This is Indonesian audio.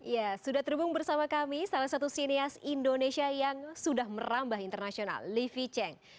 ya sudah terhubung bersama kami salah satu sinias indonesia yang sudah merambah internasional livi cheng